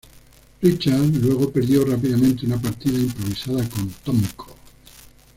Richards luego perdió rápidamente una partida improvisada con Tomko.